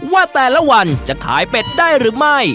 ว่าแต่ละวันจะขายเป็ดได้หรือไม่